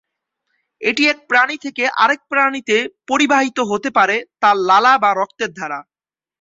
এটি এক প্রাণী থেকে আরেক প্রাণীতে পরিবাহিত হতে পারে তার লালা বা রক্তের দ্বারা।